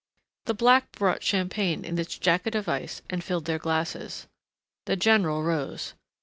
The black brought champagne in its jacket of ice and filled their glasses. The general rose.